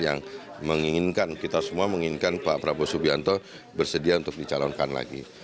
yang menginginkan kita semua menginginkan pak prabowo subianto bersedia untuk dicalonkan lagi